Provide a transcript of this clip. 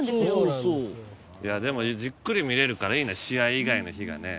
いやでもじっくり見れるからいいな試合以外の日がね